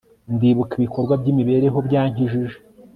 ndibuka ibikorwa byimibereho byankijije